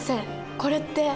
これって。